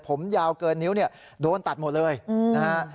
ผมยาวเกินนิ้วเนี่ยโดนตัดหมดเลยนะฮะ